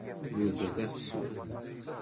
Yurga tafsut.